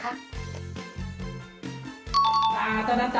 ตาตอนนั้นตาไปตัดส่องอะไร